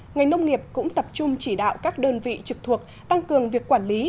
ngành nông nghiệp cũng tập trung chỉ đạo các đơn vị trực thuộc tăng cường việc quản lý